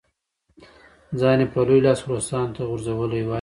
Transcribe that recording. ځان یې په لوی لاس روسانو ته غورځولی وای.